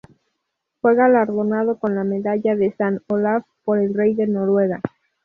Fue galardonado con la Medalla de San Olaf por el Rey de Noruega.